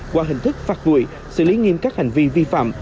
qua hình thức phạt nguội xử lý nghiêm các hành vi vi phạm